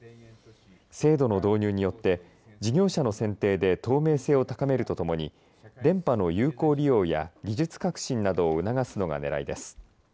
制度の導入によって事業者の選定で透明性を高めるとともに電波の有効利用や技術革新などを促すのがねらいです。